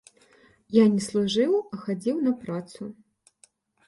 Я не служыў, а хадзіў на працу.